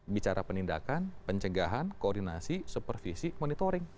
bicara penindakan pencegahan koordinasi supervisi monitoring